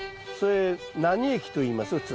それ何液といいます？